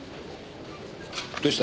どうした？